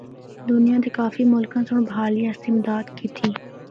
دُنیا دے کافی ملکاں سنڑ بحالی اسطے امداد کیتی۔